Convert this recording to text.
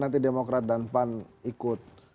nanti demokrat dan pan ikut